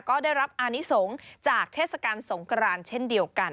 ก็ได้รับอานิสงฆ์จากเทศกาลสงกรานเช่นเดียวกัน